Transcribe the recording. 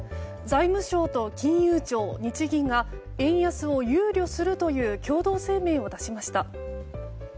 財務省と金融庁、日銀が円安を憂慮するという共同声明を出しました。